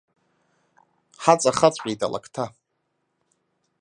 Ҳаҵахаҵәҟьеит алакҭа.